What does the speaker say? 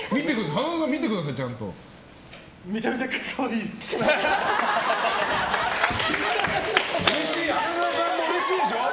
花澤さんもうれしいでしょ。